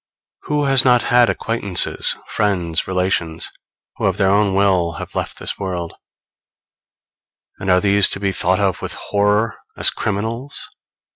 Who has not had acquaintances, friends, relations, who of their own free will have left this world; and are these to be thought of with horror as criminals?